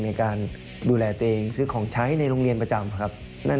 ในการดูแลตัวเองซื้อของใช้ในโรงเรียนประจำครับ